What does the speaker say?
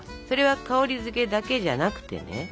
それは香りづけだけじゃなくてね。